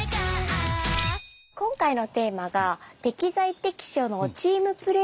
今回のテーマが「適材適所のチームプレー」ということですね。